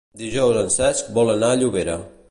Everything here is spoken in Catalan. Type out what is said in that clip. Dijous en Cesc vol anar a Llobera.